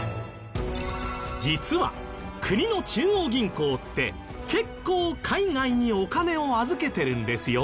実は国の中央銀行って結構海外にお金を預けてるんですよ。